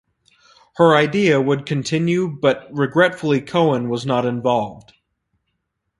Her idea would continue but regretfully Cohen was not involved.